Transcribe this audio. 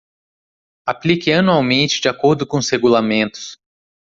Aplique anualmente de acordo com os regulamentos